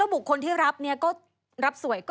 บุคคลที่รับเนี่ยก็รับสวย